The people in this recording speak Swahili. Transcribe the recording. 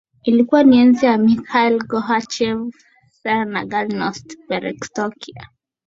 Ilikuwa ni enzi ya Mikhail Gorbachev sera za Glasnost na Perestroika